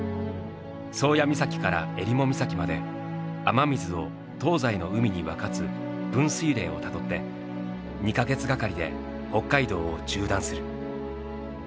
宗谷岬から襟裳岬まで雨水を東西の海に分かつ分水嶺をたどって２か月がかりで北海道を縦断する。